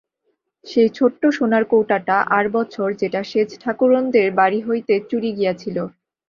সেই ছোট্ট সোনার কৌটাটা আর বছর যেটা সেজ ঠাকরুনদের বাড়ি হইতে চুরি গিয়াছিল।